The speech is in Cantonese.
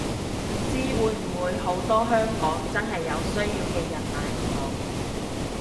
唔知會唔會好多香港真係有需要嘅人買唔到